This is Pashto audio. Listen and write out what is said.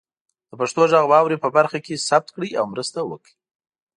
د پښتو غږ واورئ برخه کې ثبت کړئ او مرسته وکړئ.